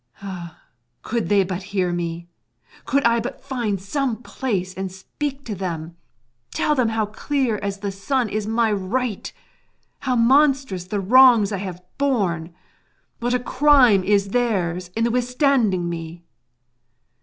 Ah, could they but hear me, could I but find some high place and speak to them; tell them how clear as the sun is my right, how monstrous the wrongs I have borne, what a crime is theirs in withstanding me!